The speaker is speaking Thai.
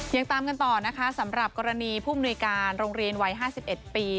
ยังตามกันต่อนะคะสำหรับกรณีภูมิในการโรงเรียนวัยห้าสิบเอ็ดปี